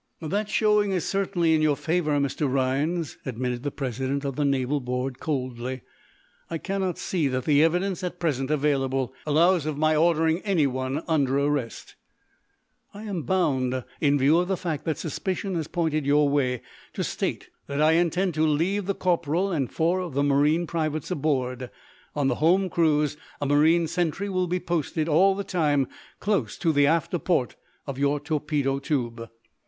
"That showing is certainly in your favor, Mr. Rhinds," admitted the president of the naval board, coldly. "I cannot see that the evidence at present available allows of my ordering anyone under arrest. I am bound, in view of the fact that suspicion has pointed your way, to state that I intend to leave the corporal and four of the marine privates aboard. On the home cruise a marine sentry will be posted, all the time, close to the after port of your torpedo tube."